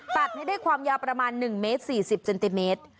ตัดให้ได้ความยาวประมาณ๑เมตร๔๐เซนติเมตร